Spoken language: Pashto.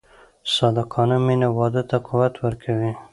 صادقانه مینه واده ته قوت ورکوي.